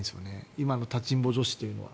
今の立ちんぼ女子というのは。